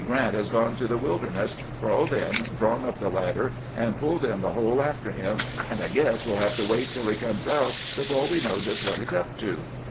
Grant has gone to the Wilder ness, crawled in, drawn up the ladder, and pulled in the hole after him, and I guess we 'U have to wait till he comes out before we know just what he 's up to."